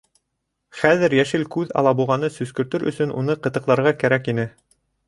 Хәҙер Йәшел күҙ алабуғаны сөскөртөр өсон уны ҡытыҡларга кәрәк ине.